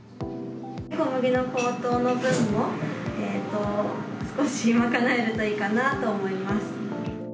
小麦の高騰の分も、少し賄えるといいかなと思います。